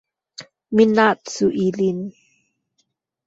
Minacu ilin